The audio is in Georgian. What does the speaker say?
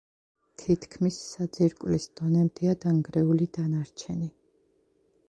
თითქმის საძირკვლის დონემდეა დანგრეული დანარჩენი.